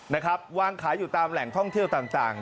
นะครับวางขายอยู่ตามแหล่งท่องเที่ยวต่าง